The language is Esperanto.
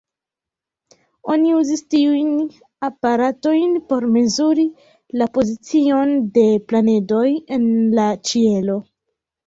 Oni uzis tiujn aparatojn por mezuri la pozicion de planedoj en la ĉielo.